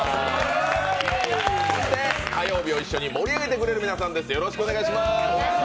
そして火曜日を一緒に盛り上げてくれる皆さんです。